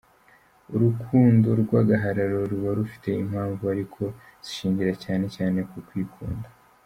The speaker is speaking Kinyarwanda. Urukundo rw’agahararo ruba rufite impamvu ariko zishingira cyane ku ku kwikunda.